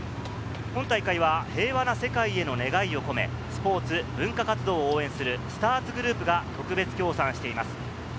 本大会は平和な世界への願いを込め、スポーツ・文化活動を応援するスターツグループが特別協賛しています。